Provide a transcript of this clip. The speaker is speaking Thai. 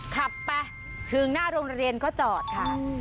ขับไปถึงหน้าโรงเรียนก็จอดค่ะ